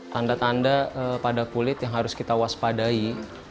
tanda tanda pada kulit yang harus kita waspadai